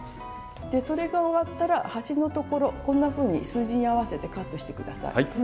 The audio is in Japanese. それが終わったら端のところこんなふうに数字に合わせてカットして下さい。